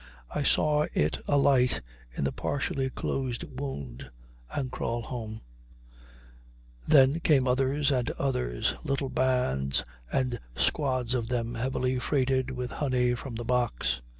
I saw it alight in the partially closed wound and crawl home; then came others and others, little bands and squads of them heavily freighted with honey from the box.